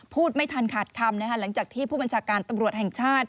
พูดไม่ทันขาดคำหลังจากที่ผู้บัญชาการตำรวจแห่งชาติ